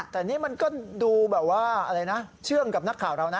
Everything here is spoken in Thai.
แต่นี่มันก็ดูแบบว่าอะไรนะเชื่องกับนักข่าวเรานะ